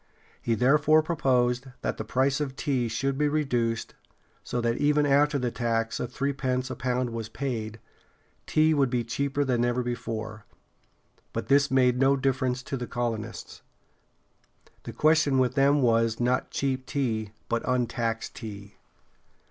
He therefore proposed that the price of tea should be reduced, so that even after the tax of threepence a pound was paid, tea would be cheaper than ever before. But this made no difference to the colonists. The question with them was not cheap tea, but untaxed tea.